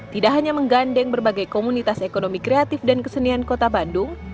tidak hanya menggandeng berbagai komunitas ekonomi kreatif dan kesenian kota bandung